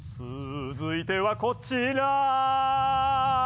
「つづいてはこちら」